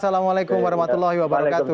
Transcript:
assalamualaikum warahmatullahi wabarakatuh